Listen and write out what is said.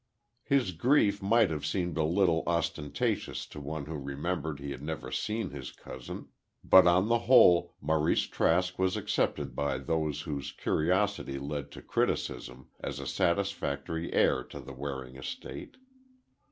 His grief might have seemed a trifle ostentatious to one who remembered he had never seen his cousin, but on the whole Maurice Trask was accepted by those whose curiosity led to criticism, as a satisfactory heir to the Waring estate.